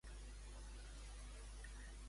Què li ocorre a en Víctor?